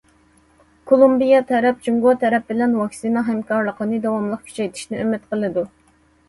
كولومبىيە تەرەپ جۇڭگو تەرەپ بىلەن ۋاكسىنا ھەمكارلىقىنى داۋاملىق كۈچەيتىشنى ئۈمىد قىلىدۇ.